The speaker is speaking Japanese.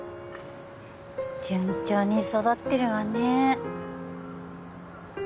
順調に育ってるわね